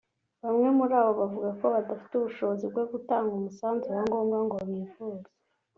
Bamwe muri abo baravuga ko badafite ubushobozi bwo gutanga umusanzu wa ngombwa ngo bivuze